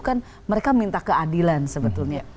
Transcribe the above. kan mereka minta keadilan sebetulnya